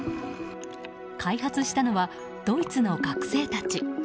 開発したのはドイツの学生たち。